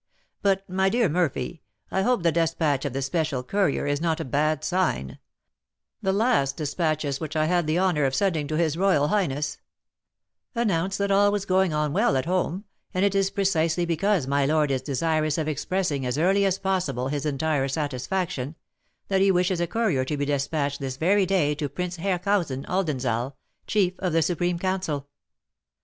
But, my dear Murphy, I hope the despatch of the special courier is not a bad sign; the last despatches which I had the honour of sending to his royal highness " "Announced that all was going on well at home; and it is precisely because my lord is desirous of expressing as early as possible his entire satisfaction, that he wishes a courier to be despatched this very day to Prince Herkhaüsen Oldenzaal, Chief of the Supreme Council."